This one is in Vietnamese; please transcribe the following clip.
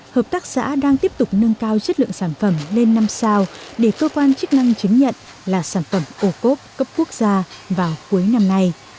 hợp tác xã đang tiếp tục nâng cao chất lượng sản phẩm lên năm sao để cơ quan chức năng chứng nhận là sản phẩm ô cốp cấp quốc gia vào cuối năm nay